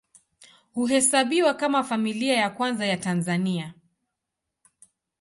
Huhesabiwa kama Familia ya Kwanza ya Tanzania.